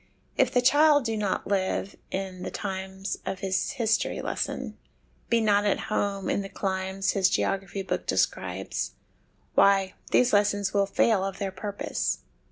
If the child do not live in the times of his history lesson, be not at home in the climes his geography book describes, why, these lessons will fail of their purpose.